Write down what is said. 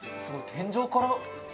天井から。